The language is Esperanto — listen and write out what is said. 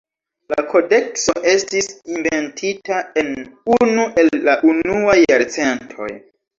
La kodekso estis inventita en unu el la unuaj jarcentoj.